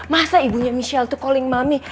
masa ibunya michelle itu calling mami